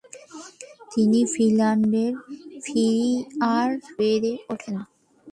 তিনি ফিলাডেলফিয়ায় বেড়ে ওঠেন।